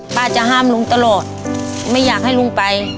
จะห้ามลุงตลอดไม่อยากให้ลุงไป